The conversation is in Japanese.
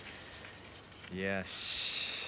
よし。